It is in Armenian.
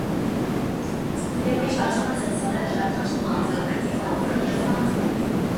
Կետի շարժումը տրվում է բնական, կոորդինատային և վեկտորական եղանակներով։